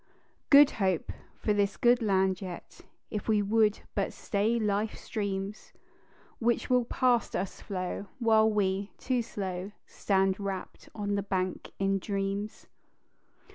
"Good Hope" for this good land yet, If we would but stay life streams, Which will past us flow while we, too slow, Stand rapt on the bank in dreams.